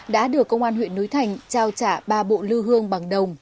đã được công an huyện núi thành trao trả ba bộ lưu hương bằng đồng